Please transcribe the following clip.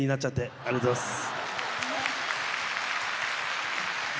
ありがとうございます！